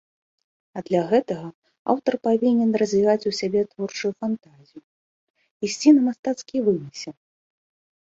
А для гэтага аўтар павінен развіваць у сабе творчую фантазію, ісці на мастацкі вымысел.